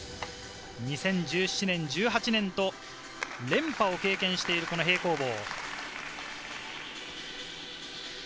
２０１７年、２０１８年と連覇を経験しているこの平行棒。